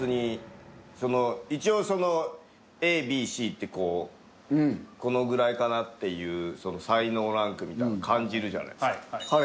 一応ＡＢＣってこうこのぐらいかなっていう才能ランクみたいなの感じるじゃないですか。